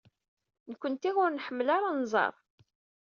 Nekkenti ur nḥemmel ara anẓar.